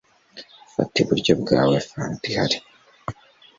fata iburyo bwawe fanta ihari.